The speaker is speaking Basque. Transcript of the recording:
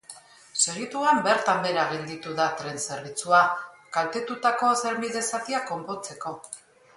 Segituan, bertan behera gelditu da tren zerbitzua, kaltetutako trenbide zatia konpontzeko.